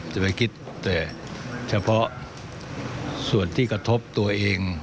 จะไปคิดแต่เฉพาะส่วนที่กระทบตัวเอง